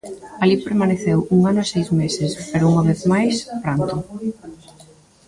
Alí permaneceu un ano e seis meses, pero unha vez máis pranto.